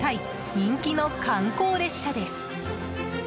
人気の観光列車です。